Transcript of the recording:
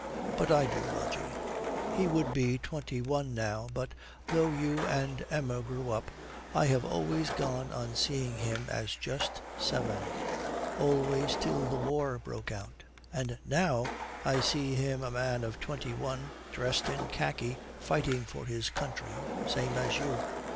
But I do, Rogie. He would be twenty one now; but though you and Emma grew up I have always gone on seeing him as just seven. Always till the war broke out. And now I see him a man of twenty one, dressed in khaki, fighting for his country, same as you.